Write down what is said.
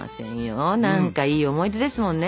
何かいい思い出ですもんね。